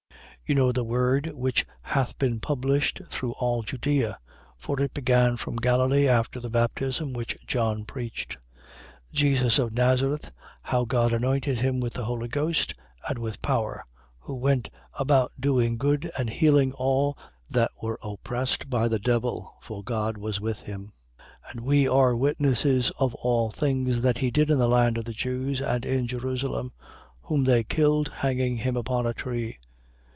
10:37. You know the word which hath been published through all Judea: for it began from Galilee, after the baptism which John preached. 10:38. Jesus of Nazareth: how God anointed him with the Holy Ghost and with power, who went about doing good and healing all that were oppressed by the devil, for God was with him. 10:39. And we are witnesses of all things that he did in the land of the Jews and in Jerusalem: whom they killed, hanging him upon a tree.